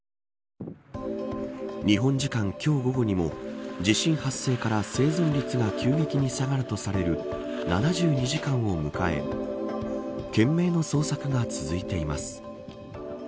日本時間、今日午後にも地震発生から生存率が急激に下がるとされる７２時間を迎え懸命の捜索が続いています。